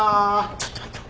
ちょっと待ってろ。